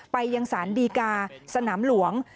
ไปยังสารดีกาสนามหลวง